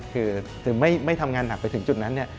คือถึงไม่ทำงานหนักไปถึงจุดนั้นเนี่ย